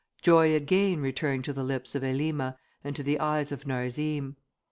Joy again returned to the lips of Elima, and to the eyes of Narzim.